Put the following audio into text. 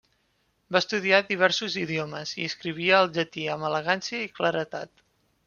Va estudiar diversos idiomes i escrivia el llatí amb elegància i claredat.